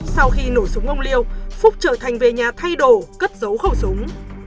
sau khi nổ súng ông liêu phúc trở thành về nhà thay đồ cất giấu khẩu súng